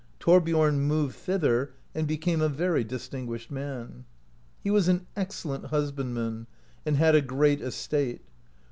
Thorbiorn moved thither, and became a very distinguished man. He was an excel lent husbandman, and had a great estate.